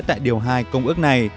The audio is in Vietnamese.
tại điều hai công ước này